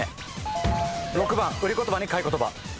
６番売り言葉に買い言葉。